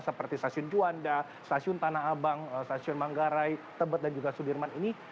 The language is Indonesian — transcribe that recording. seperti stasiun juanda stasiun tanah abang stasiun manggarai tebet dan juga sudirman ini